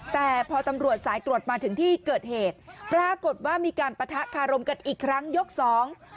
แต่พอตำรวจสายตรวจมาถึงที่เกิดเหตุปรากฏว่ามีการปะทะคารมกันอีกครั้งยกสอง